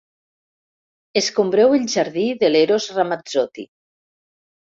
Escombreu el jardí de l'Eros Ramazzotti.